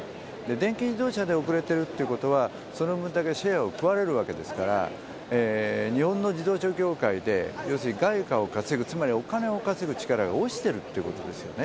電気自動車で遅れてるってことは、その分だけシェアを食われるわけですから、日本の自動車業界で、要するに外貨を稼ぐ、つまりお金を稼ぐ力が落ちてるってことですよね。